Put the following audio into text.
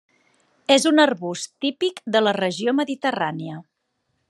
És un arbust típic de la regió mediterrània.